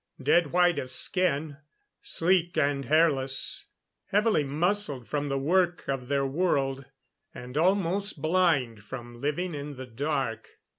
Dead white of skin; sleek and hairless; heavily muscled from the work of their world; and almost blind from living in the dark.